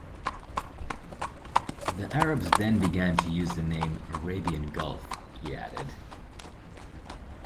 The Arabs then began to use the name 'Arabian Gulf, he added.